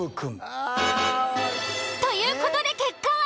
という事で結果は。